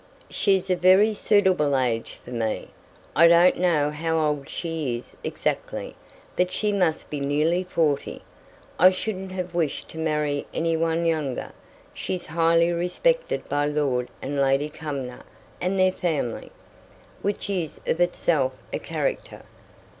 "She's a very suitable age for me. I don't know how old she is exactly, but she must be nearly forty. I shouldn't have wished to marry any one younger. She's highly respected by Lord and Lady Cumnor and their family, which is of itself a character.